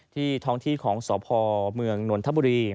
ที่ท้องที่ของสพเมืองหนวนธบุรี